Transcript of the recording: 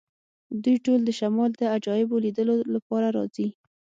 دوی ټول د شمال د عجایبو لیدلو لپاره راځي